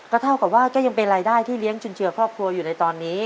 เท่ากับว่าก็ยังเป็นรายได้ที่เลี้ยงจุนเจือครอบครัวอยู่ในตอนนี้